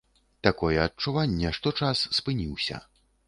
Такое адчуванне, што час спыніўся.